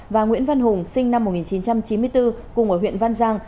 và nguyễn văn hùng sinh năm một nghìn chín trăm chín mươi bốn cùng ở huyện văn giang